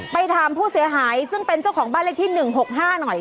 ไปถามผู้เสียหายซึ่งเป็นเจ้าของบ้านเลขที่๑๖๕หน่อย